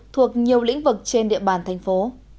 thuộc nhiều lĩnh vực trên địa bàn thành phố